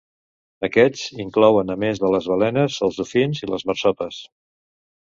Aquests inclouen a més de les balenes els dofins i les marsopes.